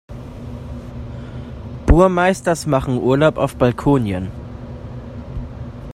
Burmeisters machen Urlaub auf Balkonien.